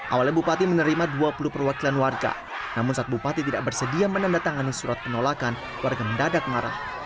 awalnya bupati menerima dua puluh perwakilan warga namun saat bupati tidak bersedia menandatangani surat penolakan warga mendadak marah